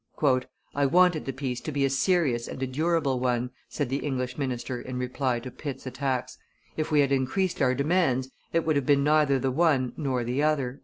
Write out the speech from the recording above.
"I wanted the peace to be a serious and a durable one," said the English minister in reply to Pitt's attacks; "if we had increased our demands, it would have been neither the one nor the other."